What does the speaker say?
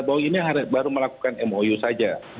bahwa ini baru melakukan mou saja